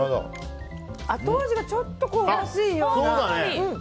後味がちょっと香ばしいような。